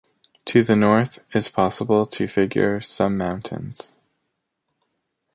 To the north, is possible to figure some mountains.